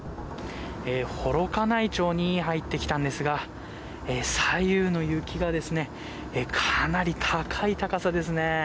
幌加内町に入ってきたんですが左右の雪がかなり高い高さですね。